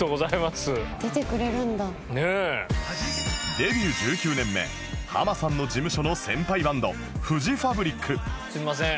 デビュー１９年目ハマさんの事務所の先輩バンドフジファブリック